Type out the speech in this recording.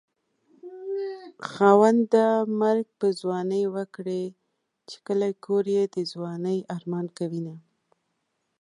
خاونده مرګ په ځوانۍ ورکړې چې کلی کور يې د ځوانۍ ارمان کوينه